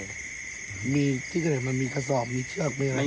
ที่เกิดมันมีขสอบมีเชือกมีอะไร